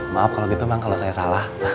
maaf kalau gitu bang kalau saya salah